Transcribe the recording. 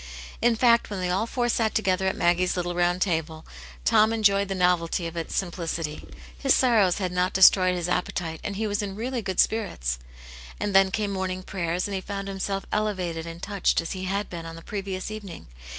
In fact, when they all four sat together at Maggie's little round table, Tom enjoyed the novelty of its simplicity ; his sorrows had not destroyed his appe tite, and he was in really good spirits. And then came morning prayers, and he found himself elevated and touched as he had been on the previous evening.